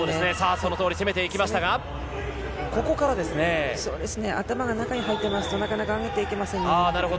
その通り攻めていきましたが、頭が中に入っていますとなかなか上げていけません。